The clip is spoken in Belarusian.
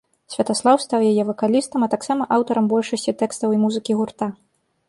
Святаслаў стаў яе вакалістам, а таксама аўтарам большасці тэкстаў і музыкі гурта.